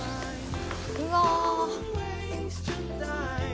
うわ。